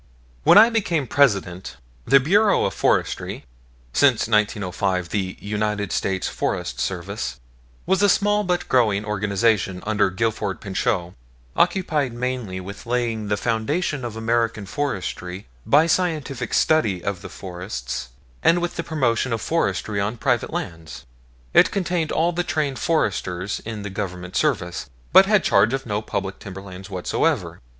When I became President, the Bureau of Forestry (since 1905 the United States Forest Service) was a small but growing organization, under Gifford Pinchot, occupied mainly with laying the foundation of American forestry by scientific study of the forests, and with the promotion of forestry on private lands. It contained all the trained foresters in the Government service, but had charge of no public timberland whatsoever.